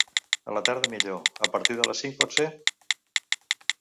A la tarda millor, a partir de les cinc pot ser?